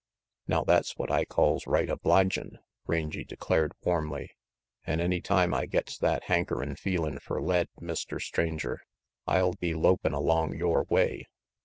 "Now that's what I calls right obligin'," Rangy declared warmly. "An' any time I gets that han kerin' f eelin' f er lead, Mr. Stranger, I'll be lopin' along yore way.